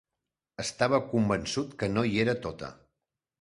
Estava convençut que no hi era tota.